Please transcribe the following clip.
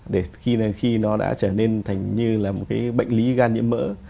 để khi nó đã trở nên thành như là một cái bệnh lý gan nhiễm mỡ